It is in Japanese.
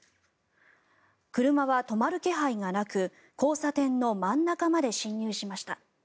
車は止まる気配がなく交差点の真ん中まで進入しました。